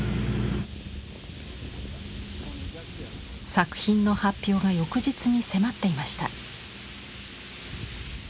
作品の発表が翌日に迫っていました。